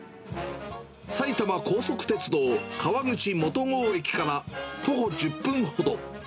さいたま高速鉄道川口元郷駅から徒歩１０分ほど。